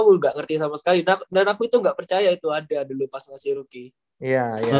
gue gak ngerti sama sekali dan aku itu gak percaya itu ada dulu pas masih rookie